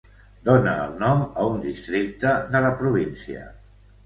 Dona el nom a un districte de la província.